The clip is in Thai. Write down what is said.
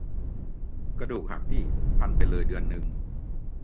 กระดูกหักพี่ พันไปเลยเดือนนึง